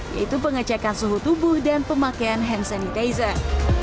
yaitu pengecekan suhu tubuh dan pemakaian hand sanitizer